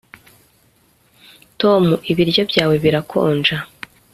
tom, ibiryo byawe birakonja